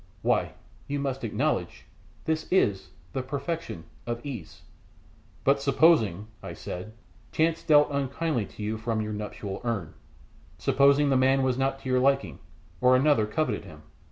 Why, you must acknowledge this is the perfection of ease." "But supposing," I said, "chance dealt unkindly to you from your nuptial urn, supposing the man was not to your liking, or another coveted him?"